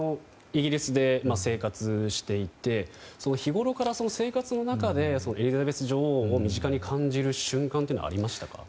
イギリスで生活していて日ごろから生活の中でエリザベス女王を身近に感じる瞬間はありましたか。